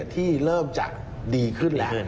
ที่เริ่มจะดีขึ้นแล้ว